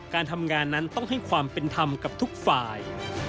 การทำงานนั้นต้องให้ความเป็นธรรมกับทุกฝ่าย